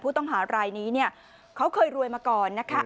ผู้ต้องหารายนี้เนี่ยเขาเคยรวยมาก่อนนะคะ